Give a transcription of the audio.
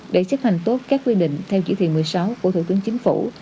để chấp hành tốt các quy định theo chỉ thị một mươi sáu của thủ tướng chính phủ